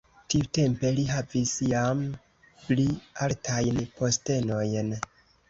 Tiutempe li havis jam pli altajn postenojn.